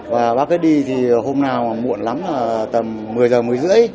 và bác ấy đi thì hôm nào muộn lắm là tầm một mươi h một mươi h ba mươi